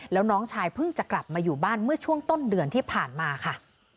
แล้วน้องชายเพิ่งจะกลับมาอยู่บ้านเมื่อช่วงต้นเดือนที่ผ่านมาค่ะ